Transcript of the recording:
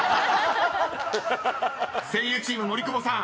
［声優チーム森久保さん